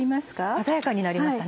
鮮やかになりましたね。